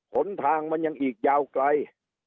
หนทางมันยังอีกยาวไกล